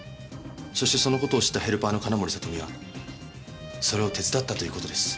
そしてその事を知ったヘルパーの金森里美はそれを手伝ったという事です。